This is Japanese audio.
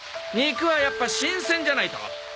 肉はやっぱ新鮮じゃないと。